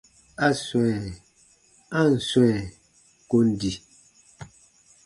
A swɛ̃, a ǹ swɛ̃ kon di.